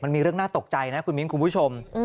มันมีเรื่องน่าตกใจนะคุณมิ้นคุณผู้ชม